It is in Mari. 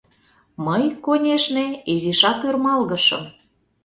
Мый, конешне, изишак ӧрмалгышым.